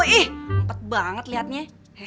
ih empat banget lihatnya